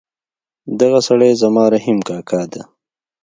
دغه سړی زما رحیم کاکا ده